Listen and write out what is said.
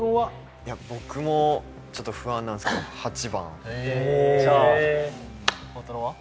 いや僕もちょっと不安なんすけど８番じゃあ幸太郎は？